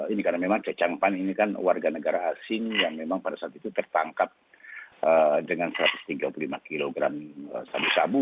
ini karena memang che chang pan ini kan warga negara asing yang memang pada saat itu tertangkap dengan satu ratus tiga puluh lima kg sabu sabu